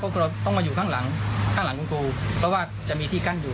ก็คือเราต้องมาอยู่ข้างหลังข้างหลังคุณครูเพราะว่าจะมีที่กั้นอยู่